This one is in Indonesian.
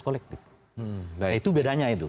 kolektif itu bedanya itu